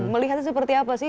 melihatnya seperti apa sih